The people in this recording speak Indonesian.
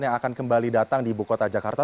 yang akan kembali datang di bukota jakarta